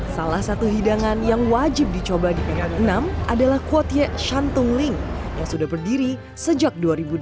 salah satu hidangan yang wajib dicoba di pihak enam adalah kuotie shantung ling yang sudah berdiri sejak dua ribu delapan